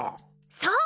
そう！